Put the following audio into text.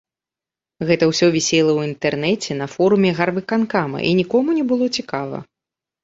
Гэта ўсё вісела ў інтэрнэце на форуме гарвыканкама, і нікому не было цікава.